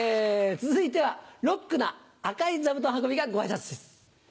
続いてはロックな赤い座布団運びがご挨拶です。